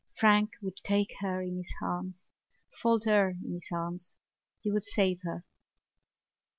Frank would take her in his arms, fold her in his arms. He would save her.